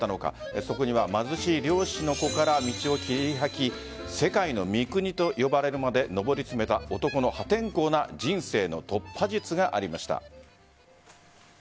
そこには貧しい漁師の子から道を切り開き世界の三國と呼ばれるまで上り詰めた男の破天荒な人生の突破術がありました。